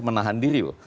menahan diri loh